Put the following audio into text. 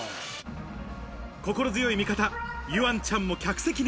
心強い味方・桜音ちゃんも客席に。